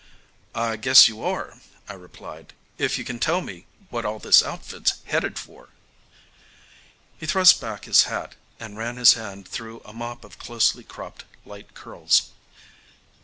"I guess you are," I replied, "if you can tell me what all this outfit's headed for." He thrust back his hat and ran his hand through a mop of closely cropped light curls.